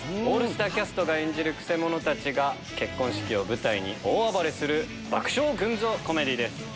オールスターキャストが演じるくせ者たちが結婚式を舞台に大暴れする爆笑群像コメディーです。